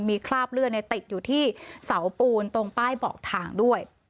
มีคราบเลือดติดอยู่ที่เสาปูนตรงป้ายบอกทางด้วย